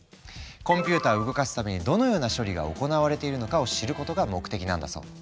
コンピューターを動かすためにどのような処理が行われているのかを知ることが目的なんだそう。